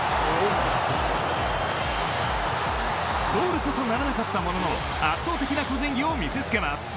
ゴールこそならなかったものの圧倒的な個人技を見せ付けます。